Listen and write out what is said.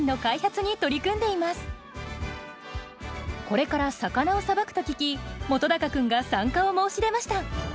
これから魚をさばくと聞き本君が参加を申し出ました。